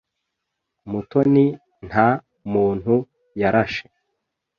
Mutoni nta muntu yarashe.